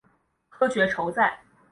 科学酬载